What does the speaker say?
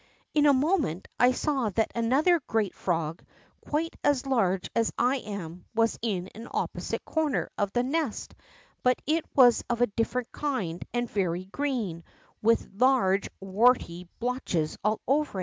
In a moment I saw that another great frog, quite as large as I am, was in an opposite corner of the nest, but it was of a different kind and very green, with large, warty blotches all over it.